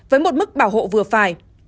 với một mức bảo hộ vừa phải